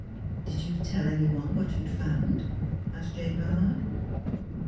"'' Did you tell any one what you had found 1 ' asked Jane Barnard.